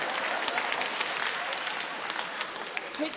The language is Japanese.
はい？